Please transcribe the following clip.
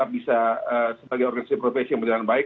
bisa sebagai organisasi profesi yang berjalan baik